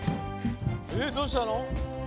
えっどうしたの？